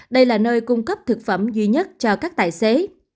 đây là nơi cung cấp thực phẩm duy nhất cho các tài xế